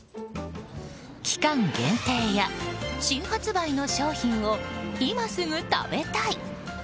期間限定や新発売の商品を今すぐ食べたい！